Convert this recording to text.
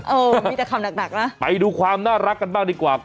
เออมีแต่คำหนักนะไปดูความน่ารักกันบ้างดีกว่า